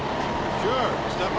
じゃあな。